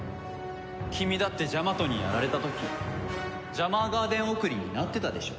君だってジャマトにやられた時ジャマーガーデン送りになってたでしょ？